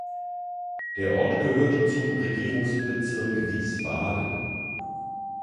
Der Ort gehörte zum Regierungsbezirk Wiesbaden.